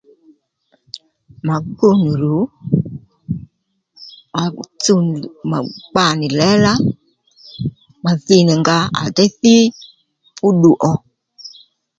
Mà gbú nì ru ma tsuw nì mà kpanì lěla mà thi nì nga à déy thí fú ddu ó